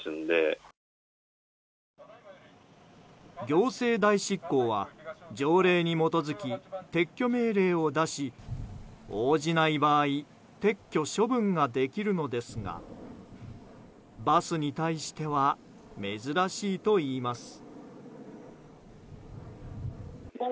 行政代執行は条例に基づき撤去命令を出し、応じない場合撤去・処分ができるのですがバスに対しては珍しいといいます。